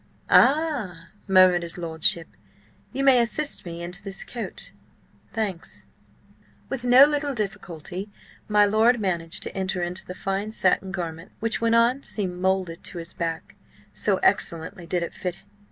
"Ah!" murmured his lordship. "You may assist me into this coat. Thanks." With no little difficulty, my lord managed to enter into the fine satin garment, which, when on, seemed moulded to his back, so excellently did it fit.